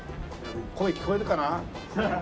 声聞こえるかな？